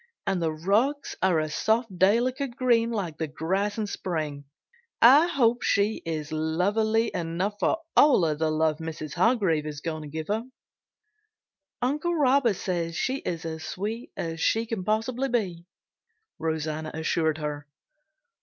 And the rugs are a soft delicate green like the grass in spring. I hope she is lovely enough for all the love Mrs. Hargrave is going to give her." "Uncle Robert says she is as sweet as she can possibly be," Rosanna assured her.